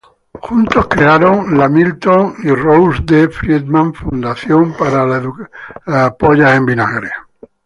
Juntos crearon la Milton and Rose D. Friedman Foundation for Educational Choice.